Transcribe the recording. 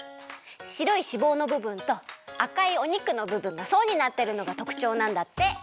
しろいしぼうのぶぶんとあかいお肉のぶぶんがそうになってるのがとくちょうなんだって。